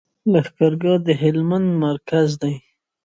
لښکر ګاه ښار د هلمند مرکز دی.